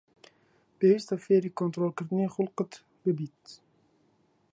پێویستە فێری کۆنتڕۆڵکردنی خوڵقت ببیت.